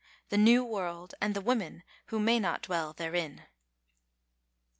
THE NEW WORLD, AND THE WOMAN WHO MAY NOT DWELL THEREIN.